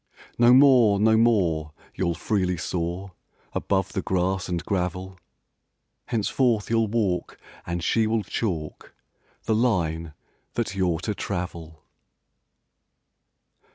No more, no more you'll freely soar Above the grass and gravel: Henceforth you'll walk and she will chalk The line that you're to travel!